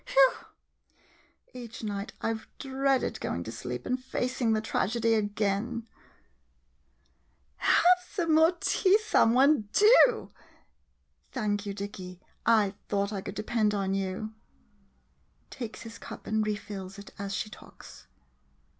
Whew ! Each night I 've dreaded going to sleep, and facing the tragedy again ! [Quick change of tone to gaiety.] Have some more tea, some one — do! Thank you, Dicky, I thought I could de pend on you. [Takes his cup and refills it as she talks.